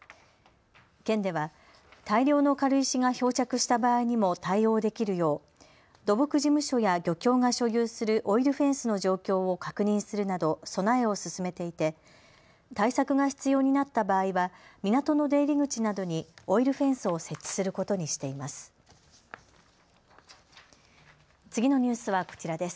県では大量の軽石が漂着した場合にも対応できるよう土木事務所や漁協が所有するオイルフェンスの状況を確認するなど備えを進めていて対策が必要になった場合は港の出入り口などにオイルフェンスを設置することにしています。